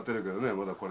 まだこれ。